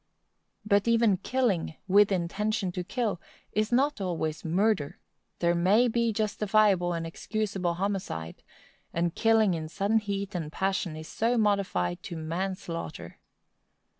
But even killing, with intention to kill, is not always murder; there may be justifiable and excusable homicide, and killing in sudden heat and passion is so modified to manslaughter.